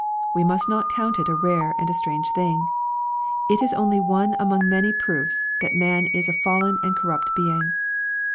We must not count it a rare and a strange thing. It is only one among many proofs that man is a fallen and corrupt being.